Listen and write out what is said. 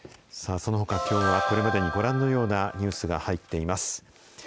そのほか、きょうはこれまでにご覧のようなニュースが入っています。